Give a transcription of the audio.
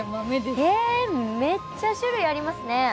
めっちゃ種類ありますね。